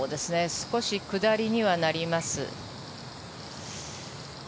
少し下りにはなります。